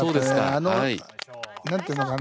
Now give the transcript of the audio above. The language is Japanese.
あのなんていうのかな